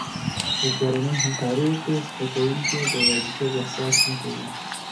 که کورنۍ همکاري وکړي، زده کوونکي د یوازیتوب احساس نه کوي.